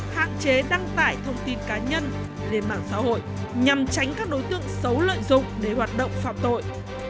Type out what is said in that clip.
hạn chế đăng tải thông tin cá nhân lên mạng xã hội nhằm tránh các đối tượng xấu lợi dụng để hoạt động phạm tội